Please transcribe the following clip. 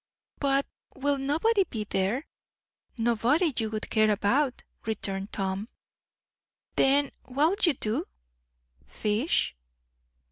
"But will nobody be there?" "Nobody you would care about," returned Tom. "Then what'll you do?" "Fish."